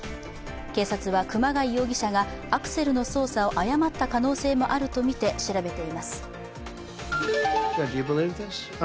警察は、熊谷容疑者がアクセルの操作を誤った可能性もあるとみて調べています。